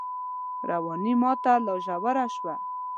رواني ماته لا ژوره شوه